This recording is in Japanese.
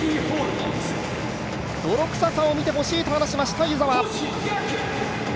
泥臭さを見てほしいと話しました湯澤。